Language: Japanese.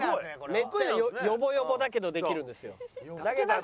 めっちゃヨボヨボだけどできるんですよ。